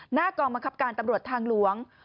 หน้ากองบังคับการตำรวจทางหลวง